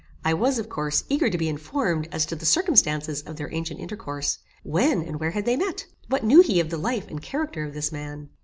I was, of course, eager to be informed as to the circumstances of their ancient intercourse. When, and where had they met? What knew he of the life and character of this man?